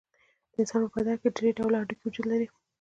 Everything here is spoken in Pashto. د انسان په بدن کې درې ډوله هډوکي وجود لري.